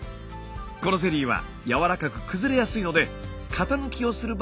このゼリーはやわらかく崩れやすいので型抜きをする場合はご注意を。